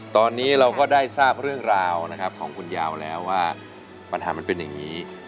ตอนนี้เราก็ได้ทราบเรื่องราวนะครับของคุณยาวแล้วว่าปัญหามันเป็นอย่างนี้